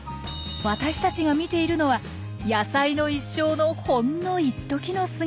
私たちが見ているのは野菜の一生のほんのいっときの姿なんです。